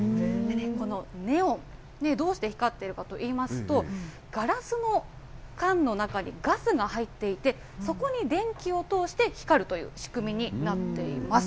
このネオン、どうして光っているかといいますと、ガラスの管の中にガスが入っていて、そこに電気を通して光るという仕組みになっています。